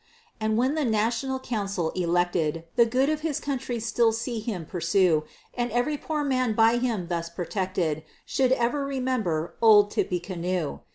And when to the National Council elected, The good of his country still see him pursue, And every poor man by him thus protected, Should ever remember "Old Tippecanoe."